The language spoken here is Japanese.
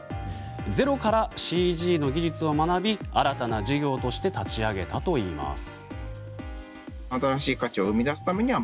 ゼロからＣＧの技術を学び新たな事業として立ち上げたといいます。